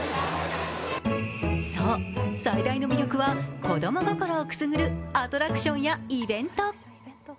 最大の魅力は、子供心をくすぐるアトラクションやイベント。